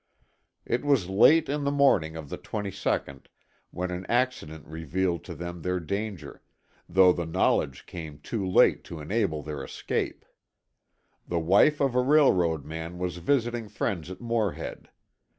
It was late in the morning of the 22nd, when an accident revealed to them their danger, though the knowledge came too late to enable their escape. The wife of a railroad man was visiting friends at Morehead.